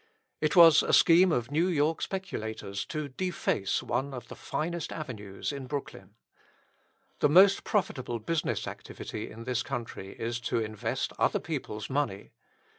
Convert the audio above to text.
It was a scheme of New York speculators to deface one of the finest avenues in Brooklyn. The most profitable business activity in this country is to invest other people's money.